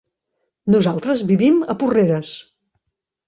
Nosaltres vivim a Porreres.